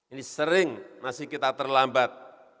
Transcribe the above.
ini sering masih kita terlambat